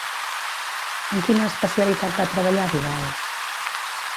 En quina especialitat va treballar Vidal?